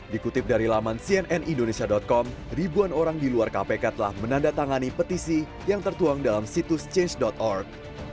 dikutip dari laman cnnindonesia com ribuan orang di luar kpk telah menandatangani petisi yang tertuang dalam situs change org